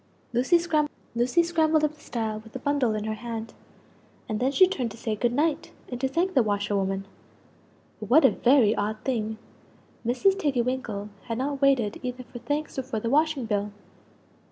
Lucie scrambled up the stile with the bundle in her hand; and then she turned to say "Good night," and to thank the washer woman But what a very odd thing! Mrs. Tiggy winkle had not waited either for thanks or for the washing bill!